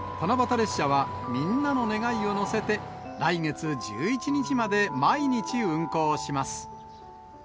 列車は、みんなの願いを乗せて、来月１１日まで毎日運行しま